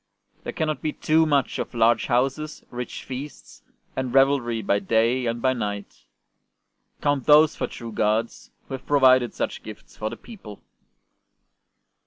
There cannot be too much of large houses, rich feasts, and revelry by day and by night. Count those for true gods who have provided such gifts for the people."